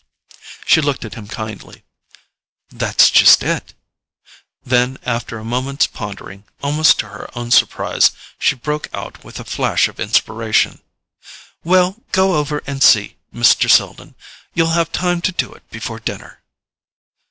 She looked at him kindly. "That's just it." Then, after a moment's pondering, almost to her own surprise she broke out with a flash of inspiration: "Well, go over and see Mr. Selden. You'll have time to do it before dinner."